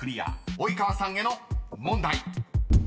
［及川さんへの問題］